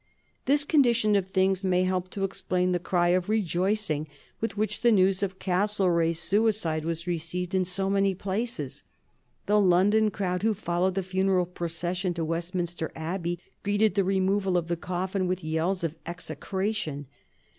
This condition of things may help to explain the cry of rejoicing with which the news of Castlereagh's suicide was received in so many places. The London crowd who followed the funeral procession to Westminster Abbey greeted the removal of the coffin with yells of execration.